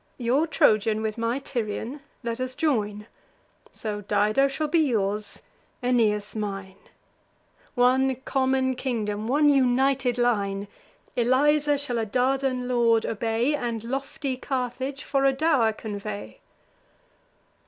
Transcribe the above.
Your Trojan with my Tyrian let us join; So Dido shall be yours, Aeneas mine: One common kingdom, one united line. Eliza shall a Dardan lord obey, And lofty Carthage for a dow'r convey."